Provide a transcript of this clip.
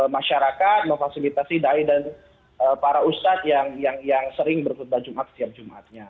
masyarakat memfasilitasi da'i dan para ustad yang sering berkutbah jumat setiap jumatnya